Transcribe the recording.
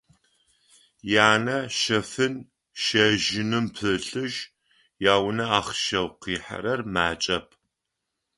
Янэ щэфын-щэжьыным пылъышъ, яунэ ахъщэу къихьэрэр макӏэп.